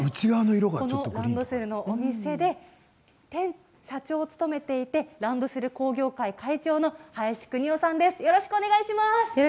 このランドセルのお店で社長を務めていてランドセル工業会会長の林州代さんです。